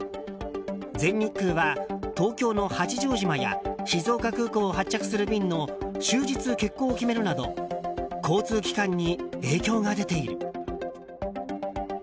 全日空は東京の八丈島や静岡空港を発着する便の終日欠航を決めるなど交通機関に影響が出ている。